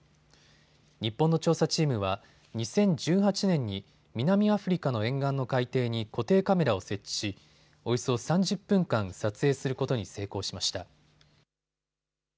日本の調査チームは２０１８年に南アフリカの沿岸の海底に固定カメラを設置しおよそ３０分間、撮影することに成功しました。